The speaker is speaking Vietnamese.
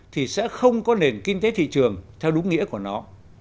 thì sẽ không có nền kinh tế thị trường theo đúng nghĩa của nó